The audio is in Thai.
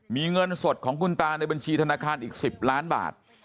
มีเงินสดของคุณตาในบัญชีธนาคารอีก๑๐ล้านบาท